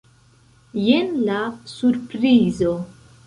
Jen la surprizo.